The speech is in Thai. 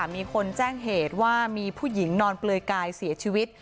มีคนแจ้งเหตุว่ามีผู้หญิงนอนเปลือยกายเสียชีวิต